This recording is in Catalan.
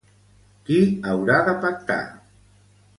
Qui haurà de pactar?